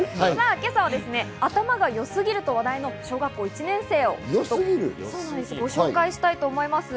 今朝は頭が良すぎると話題の小学校１年生をご紹介します。